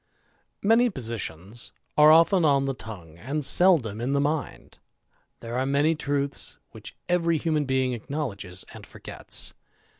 ANY positions are often on the tongue, and seldom in the mind; there are many truths which every m being acknowledges and forgets.